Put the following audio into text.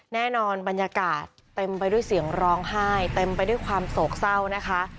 บรรยากาศเต็มไปด้วยเสียงร้องไห้เต็มไปด้วยความโศกเศร้านะคะ